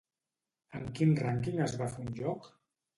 En quin rànquing es va fer un lloc?